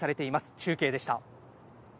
中継でした。